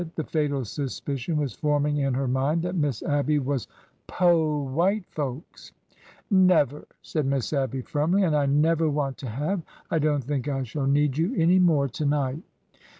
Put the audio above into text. The fatal suspicion was forming in her mind that Miss Abby was po' white folks. '''' Never !'' said Miss Abby, firmly. '' And I never want to have! I don't think I shall need you any more to night."